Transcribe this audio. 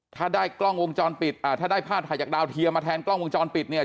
ถ้าได้กล้องวงจรปิดอ่าถ้าได้ภาพถ่ายจากดาวเทียมมาแทนกล้องวงจรปิดเนี่ย